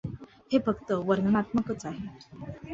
हे फक्त वर्णनात्मकच आहे.